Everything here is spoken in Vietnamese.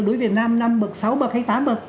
đối với việt nam năm bậc sáu bậc khách tám bậc